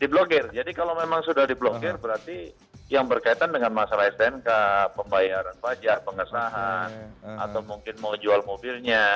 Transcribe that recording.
diblokir jadi kalau memang sudah diblokir berarti yang berkaitan dengan masalah stnk pembayaran pajak pengesahan atau mungkin mau jual mobilnya